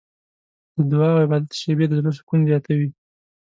د دعا او عبادت شېبې د زړه سکون زیاتوي.